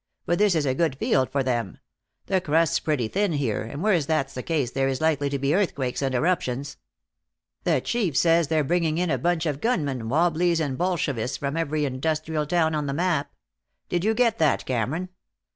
But this is a good field for them. The crust's pretty thin here, and where that's the case there is likely to be earthquakes and eruptions. The Chief says they're bringing in a bunch of gunmen, wobblies and Bolshevists from every industrial town on the map. Did you get that, Cameron?